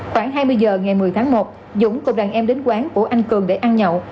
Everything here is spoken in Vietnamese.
khoảng hai mươi giờ ngày một mươi tháng một dũng cùng đoàn em đến quán của anh cường để ăn nhậu